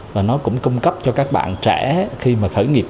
và nó cũng cung cấp cho các bạn trẻ khi mà khởi nghiệp